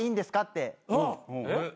って。